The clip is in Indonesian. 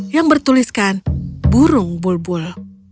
yang bertuliskan burung bulbul